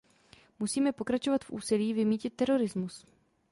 Musíme pokračovat v úsilí vymýtit terorismus.